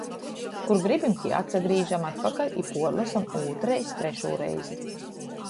Kur gribim, tī atsagrīžam atpakaļ i puorlosom ūtrreiz, trešū reizi.